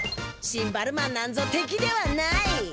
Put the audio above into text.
シンバルマンなんぞ敵ではない！